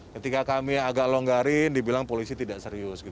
ketika kami agak longgarin dibilang polisi tidak serius